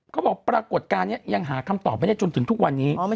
ปรากฏการณ์นี้ยังหาคำตอบไม่ได้จนถึงทุกวันนี้